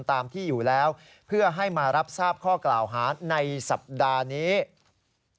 ตามที่อยู่แล้วเพื่อให้มารับทราบข้อกล่าวหาในสัปดาห์นี้